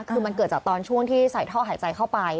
คือมันเกิดจากตอนช่วงที่ใส่ท่อหายใจเข้าไป